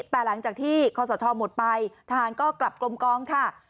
แต่หลังจากที่คอสชหมดไปทหารก็กลับกลมกองค่ะ